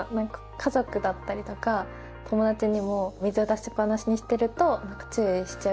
家族だったりとか友達にも水を出しっぱなしにしてると注意しちゃうような。